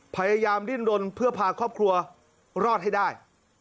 พยายามดิ้นรนเพื่อพาครอบครัวรอดให้ได้